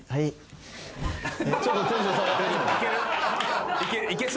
ちょっとテンション下がってるけどいける？